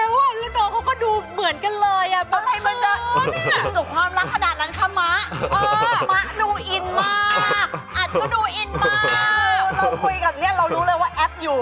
เออมะดูอินมากอัดก็ดูอินมากคือเราคุยกับเนี่ยเรารู้เลยว่าแอปอยู่